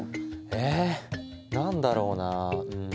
え何だろうなうん。